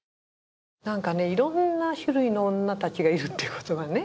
何かねいろんな種類の女たちがいるってことがね。